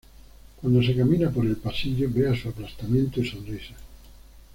Cuando se camina por el pasillo, ve a su aplastamiento y sonrisas.